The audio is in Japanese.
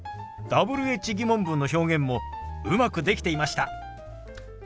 Ｗｈ−疑問文の表現もうまくできていました。